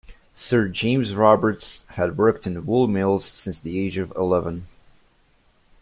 Sir James Roberts had worked in wool mills since the age of eleven.